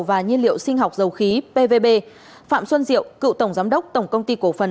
và nhiên liệu sinh học dầu khí pvb phạm xuân diệu cựu tổng giám đốc tổng công ty cổ phần